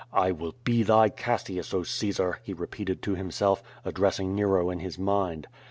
"I will be thy Cassius, Oh Caesar!'^ he repeated to himself, addressing Nero in his mind.